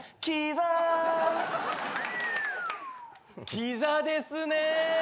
キザですね。